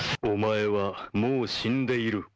「お前はもう死んでいる」